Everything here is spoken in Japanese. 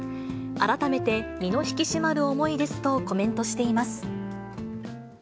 改めて身の引き締まる思いですとコメントしています。